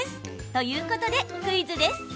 ということでクイズです。